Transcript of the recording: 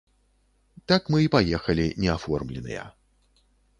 Так мы і паехалі неаформленыя.